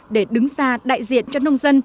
để đứng ra đại diện cho nông dân